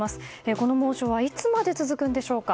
この猛暑はいつまで続くのでしょうか。